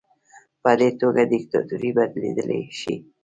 په دې توګه دیکتاتوري بدلیدلی شي.